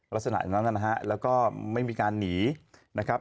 ลักษณะอย่างนั้นนะฮะแล้วก็ไม่มีการหนีนะครับ